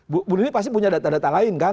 bu nini pasti punya data data lain kan